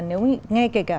nếu nghe kể cả